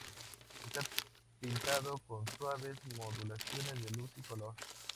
Está pintado con suaves modulaciones de luz y color.